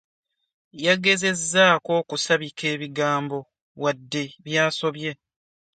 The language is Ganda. Yagezezzaako okusabika ebigambo wadde byasobye.